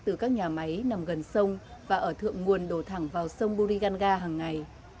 từ các nhà máy nằm gần sông và ở thượng nguồn đổ thẳng vào sông buriganga hằng ngày